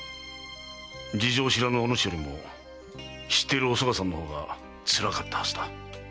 事情を知らぬお主よりも知っているおすがさんの方がつらかったはずだ。